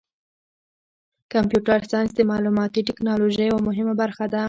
کمپیوټر ساینس د معلوماتي تکنالوژۍ یوه مهمه برخه ده.